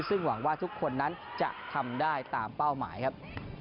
ซึ่งหวังว่าทุกคนนั้นจะทำได้ตามเป้าหมายครับ